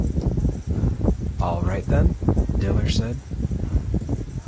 'All right then,' Diller said.